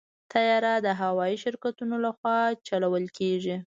طیاره د هوايي شرکتونو لخوا چلول کېږي.